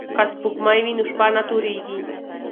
که سپوږمۍ وي نو شپه نه تورېږي.